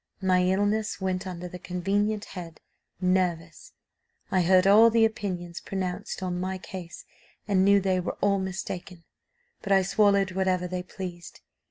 My illness went under the convenient head 'nervous.' I heard all the opinions pronounced on my case, and knew they were all mistaken, but I swallowed whatever they pleased.